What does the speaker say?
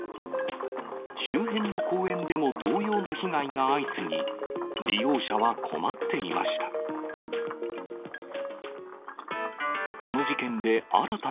周辺の公園でも同様の被害が相次ぎ、利用者は困っていました。